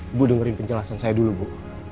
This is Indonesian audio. ibu dengerin penjelasan saya dulu bu